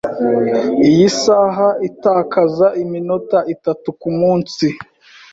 Iyi saha itakaza iminota itatu kumunsi.